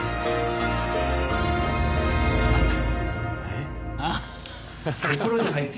えっ？